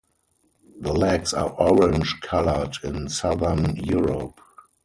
The legs are orange colored in southern Europe.